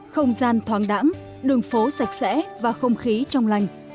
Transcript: không gian thoáng đẳng đường phố sạch sẽ và không khí trong lành